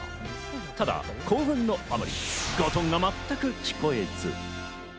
ただ興奮のあまりゴトンが全く聞こえず。